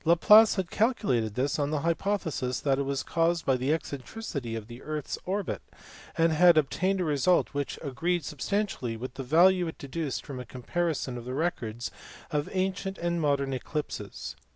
Laplace had calculated this on the hypothesis that it was caused by the eccentricity of the earth s orbit, and had obtained a result which agreed substantially with the value deduced from a comparison of the records of ancient and modern eclipses.